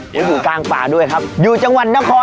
อยู่กลางป่าด้วยครับอยู่จังหวัดนครนายกนะครับผม